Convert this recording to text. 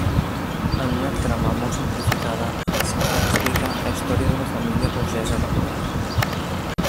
En una trama molt simplificada, ens explica la història d'una família burgesa de Bolonya.